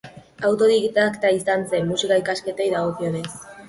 Autodidakta izan zen, musika-ikasketei dagokionez.